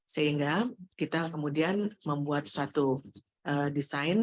sehingga kita kemudian membuat suatu desain